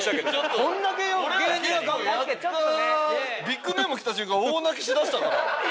ビッグネームが来た瞬間大泣きしだしたから。